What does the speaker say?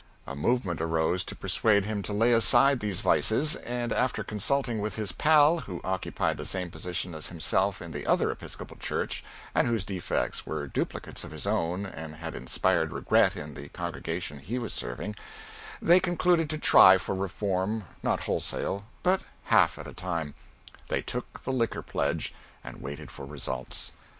A movement arose to persuade him to lay aside these vices, and after consulting with his pal, who occupied the same position as himself in the other Episcopal church, and whose defects were duplicates of his own and had inspired regret in the congregation he was serving, they concluded to try for reform not wholesale, but half at a time. They took the liquor pledge and waited for results.